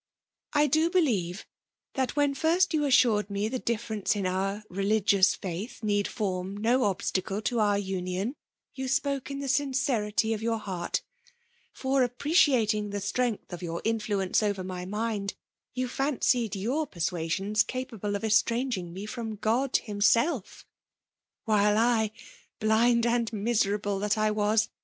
" I do believe that when first you assured me the difference in our religious fiuth need form no obstacle to our union, you spoke in the sincerity of your heart ; for, appreciating the strength of your influence over my mind# 2BI1 FSMAlfi DOMlKATmif; joa fimcied yam pemuttions eapaMe <rf eBtnmging me fiom God himsdf ; vAnle 1— Uiad and miserable that I was